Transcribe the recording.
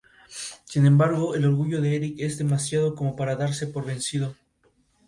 Pacto de sal es la perfecta conjugación de sensualidad, transgresión, valentía y solidaridad amorosa.